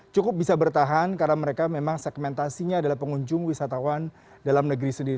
cukup bisa bertahan karena mereka memang segmentasinya adalah pengunjung wisatawan dalam negeri sendiri